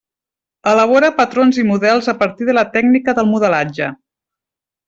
Elabora patrons i models a partir de la tècnica del modelatge.